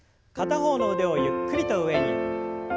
片方の腕をゆっくりと上に。